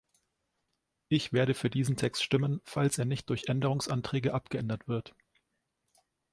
Ich werde für diesen Text stimmen, falls er nicht durch Änderungsanträge abgeändert wird.